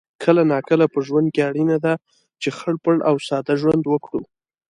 کله ناکله په ژوند کې اړینه ده چې خړ پړ او ساده ژوند وکړو